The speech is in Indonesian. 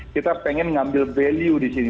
kita pengen ngambil value di sini